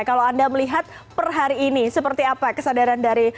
kalau anda melihat per hari ini seperti apa kesadaran dari